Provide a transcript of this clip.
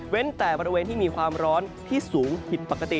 แต่บริเวณที่มีความร้อนที่สูงผิดปกติ